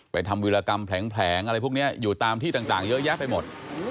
ทำวิรากรรมแผลงอะไรพวกนี้อยู่ตามที่ต่างเยอะแยะไปหมด